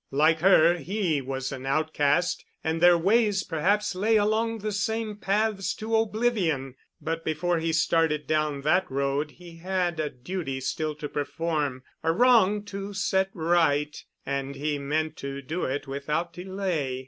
Like her he was an outcast and their ways perhaps lay along the same paths to oblivion, but before he started down that road he had a duty still to perform, a wrong to set right, and he meant to do it without delay.